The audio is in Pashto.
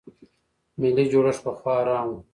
ملي جوړښت پخوا حرام و.